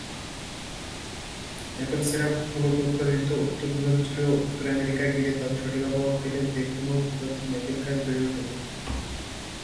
Maple syrup মূলত উৎপাদিত উত্তরপূর্বাঞ্চলীয় উত্তর আমেরিকা ঘিরে, তবে সঠিক আবহাওয়া পেলে যে কোন প্রজাতির ম্যাপেল গাছ বেড়ে উঠবে।